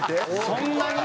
そんなに？